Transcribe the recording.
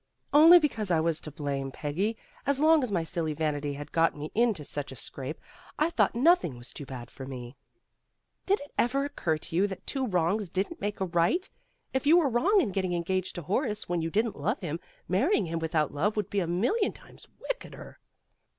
"Only because I was to blame, Peggy. As long as my silly vanity had got me into such a scrape, I thought nothing was too bad for me." "Didn't it ever occur to you that two wrongs didn't make a right? If you were wrong in getting engaged to Horace when you didn't love him, marrying him without love would be a million times wickeder."